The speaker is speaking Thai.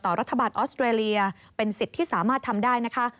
รัฐบาลออสเตรเลียเป็นสิทธิ์ที่สามารถทำได้นะคะ